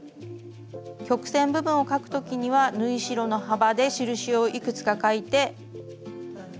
曲線部分を描く時には縫い代の幅で印をいくつか描いて。